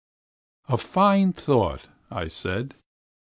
"A fine thought," I said.